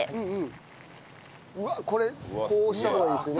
うわっこれこうした方がいいですね。